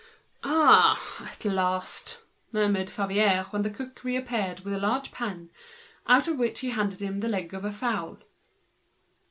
"Ah! at last!" murmured Favier when the cook reappeared with a large pan, out of which he handed him the leg of a fowl.